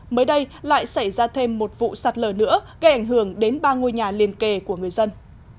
mới đây lại xảy ra thêm một vụ sạt lở nữa gây ảnh hưởng đến ba ngôi nhà liên kề của người dân